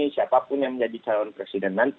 siapapun yang menjadi calon presiden nanti